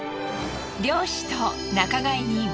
漁師と仲買人。